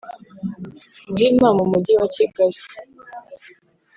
Muhima mu mujyi wa Kigali